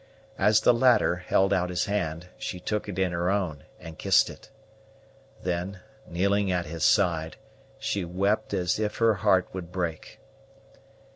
As the latter held out his hand, she took it in her own and kissed it. Then, kneeling at his side, she wept as if her heart would break.